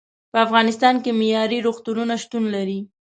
په افغانستان کې معیارې روغتونونه شتون لري.